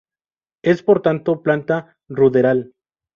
Es, por tanto, planta ruderal.